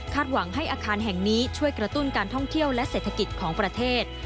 หวังให้อาคารแห่งนี้ช่วยกระตุ้นการท่องเที่ยวและเศรษฐกิจของประเทศ